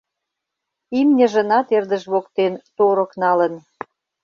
Имньыжынат эрдыж воктен торык налын.